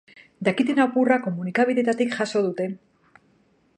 Dakiten apurra komunikabideetatik jaso dute.